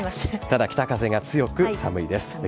ただ、北風が強く寒いです。